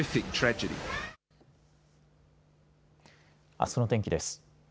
あすの天気です。